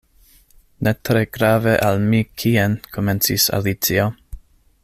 "Ne tre grave al mi kien" komencis Alicio.